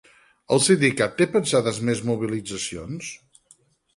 El sindicat té pensades més mobilitzacions?